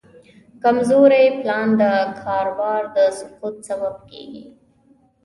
کمزوری پلان د کاروبار د سقوط سبب کېږي.